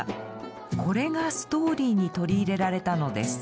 これがストーリーに取り入れられたのです。